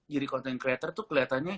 content creator tuh kelihatannya